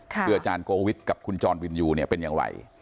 คืออาจารย์โกวิทย์กับคุณจรวินยูเนี่ยเป็นอย่างไร